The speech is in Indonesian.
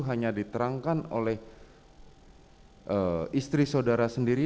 hanya diterangkan oleh istri saudara sendiri